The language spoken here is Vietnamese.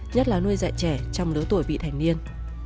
nhất là nuôi dạy trẻ trong lứa tuổi vị thành niên